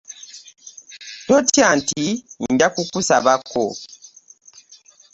Totya nti nja kukusabako.